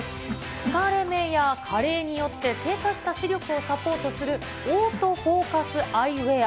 疲れ目や加齢によって低下した視力をサポートするオートフォーカスアイウエア。